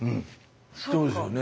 そうですよね。